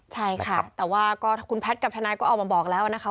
ใช่ค่ะแต่ว่าก็คุณแพทย์กับทนายก็ออกมาบอกแล้วนะคะ